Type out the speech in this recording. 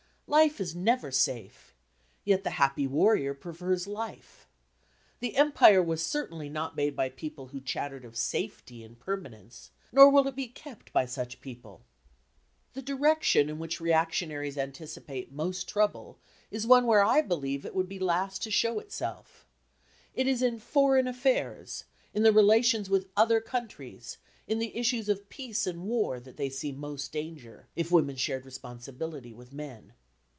Life is never safe, yet the happy warrior prefers life. The Empire was certainly not made by people who chattered of safety and permanence, nor will it be kept by such people. The direction in which reactionaries anticipate most trouble is one where I believe it would be last to show itself. It is in foreign affairs, in the relations with other countries, in the issues of peace and war that they see most danger, if women shared responsibility with men.